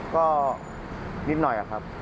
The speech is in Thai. ก็นิดหน่อยครับ